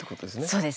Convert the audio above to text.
そうです。